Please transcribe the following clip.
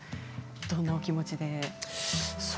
どんなお気持ちで。